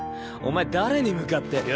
お前誰に向かって。